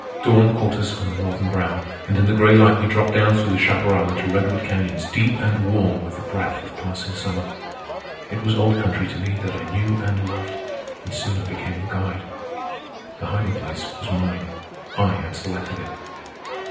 Dawn caught us on the northern brow, and in the gray light we dropped down through chaparral into redwood canyons deep and warm with the breath of passing summer. It was old country to me that I knew and loved, and soon I became the guide. The hiding place was mine. I had selected it.